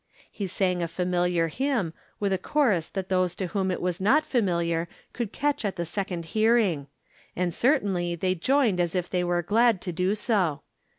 He sang a familiar hymn, with a chorus that those to whom it was not familiar covild catch at the sec ond hearing ; and certainly they joined as if they were glad to do so.